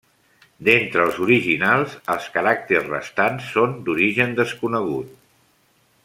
D'entre els originals, els caràcters restants són d'origen desconegut.